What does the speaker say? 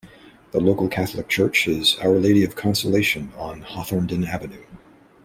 The local Catholic church is Our Lady Of Consolation on Hawthornden Avenue.